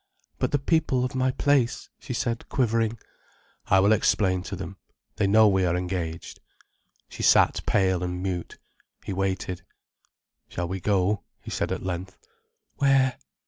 "But the people of my place," she said, quivering. "I will explain to them—they know we are engaged." She sat pale and mute. He waited. "Shall we go?" he said at length. "Where?"